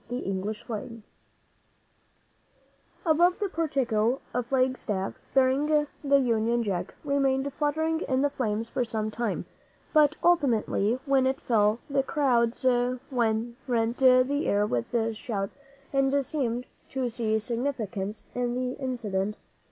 THE ENGLISH FLAG Above the portico a flag staff, bearing the Union Jack, remained fluttering in the flames for some time, but ultimately when it fell the crowds rent the air with shouts, and seemed to see significance in the incident.